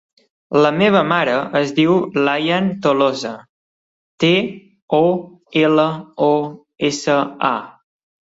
La meva mare es diu Layan Tolosa: te, o, ela, o, essa, a.